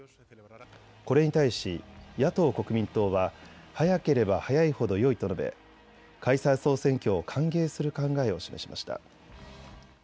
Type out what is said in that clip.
これに対し野党・国民党は早ければ早いほどよいと述べ解散総選挙を歓迎する考えを示しました。